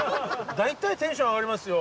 大体テンション上がりますよ。